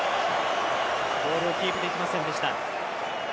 ボールをキープできませんでした。